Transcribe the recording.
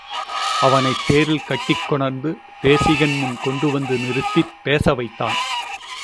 அவனைத் தேரில் கட்டிக் கொணர்ந்து தேசிகன் முன் கொண்டு வந்து நிறுத்திப் பேச வைத்தான்.